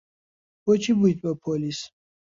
بۆچی بوویت بە پۆلیس؟